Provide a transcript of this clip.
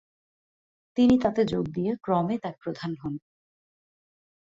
তিনি তাতে যোগ দিয়ে ক্রমে তার প্রধান হন।